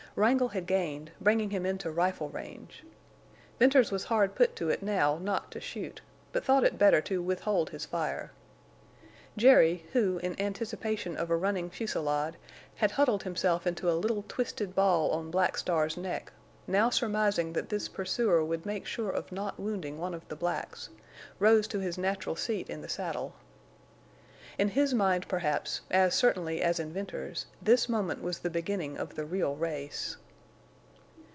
Wrangle had gained, bringing him into rifle range. Venters was hard put to it now not to shoot, but thought it better to withhold his fire. Jerry, who, in anticipation of a running fusillade, had huddled himself into a little twisted ball on Black Star's neck, now surmising that this pursuer would make sure of not wounding one of the blacks, rose to his natural seat in the saddle. In his mind perhaps, as certainly as in Venters's, this moment was the beginning of the real race.